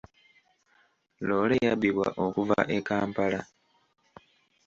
Loole yabbibwa okuva e Kampala.